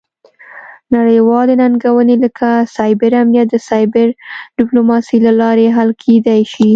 نړیوالې ننګونې لکه سایبر امنیت د سایبر ډیپلوماسي له لارې حل کیدی شي